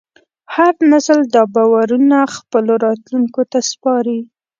هر نسل دا باورونه خپلو راتلونکو ته سپاري.